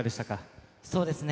そうですね。